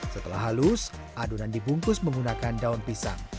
setelah halus adonan dibungkus menggunakan daun pisang